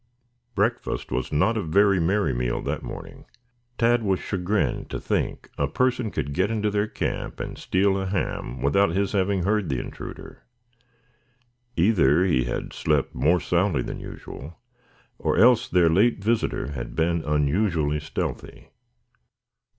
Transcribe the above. Breakfast was not a very merry meal that morning. Tad was chagrined to think a person could get into their camp and steal a ham without his having heard the intruder. Either he had slept more soundly than usual, or else their late visitor had been unusually stealthy.